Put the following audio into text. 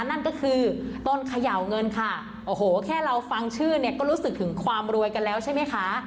นั่นก็คือต้นเขย่าเงินค่ะโอ้โหแค่เราฟังชื่อเนี่ยก็รู้สึกถึงความรวยกันแล้วใช่ไหมคะ